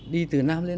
đi từ nam lên nam